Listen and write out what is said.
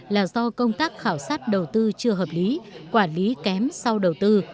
là do công tác khảo sát đầu tư chưa hợp lý quản lý kém sau đầu tư